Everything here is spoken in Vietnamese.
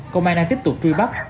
công an đang tiếp tục truy bắt